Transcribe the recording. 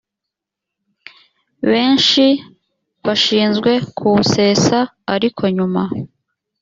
benshi bashinzwe kuwusesa ariko nyuma